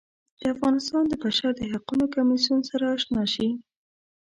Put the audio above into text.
د افغانستان د بشر د حقونو کمیسیون سره اشنا شي.